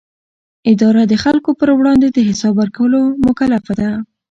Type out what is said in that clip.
اداره د خلکو پر وړاندې د حساب ورکولو مکلفه ده.